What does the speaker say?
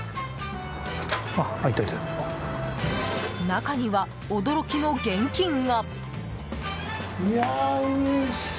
中には、驚きの現金が。